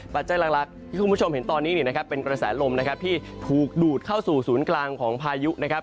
ปัจจัยหลักคุณผู้ชมเห็นตอนนี้เป็นกระแสลมรวมที่ถูกดูดเข้าสู่ศูนย์กลางของพายุนะครับ